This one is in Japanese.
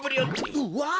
うわ。